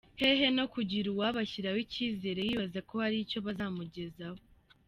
He no kugira uwabashyiraho ikizere yibaza ko hari icyo bazamugezaho.